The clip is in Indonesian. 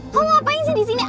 lomongan apa yang suh disini